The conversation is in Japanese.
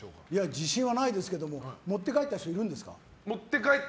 自信はないですけど持って帰った人はいるんですか？